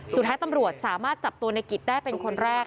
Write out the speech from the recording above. สุดท้ายตำรวจสามารถจับตัวในกิจได้เป็นคนแรก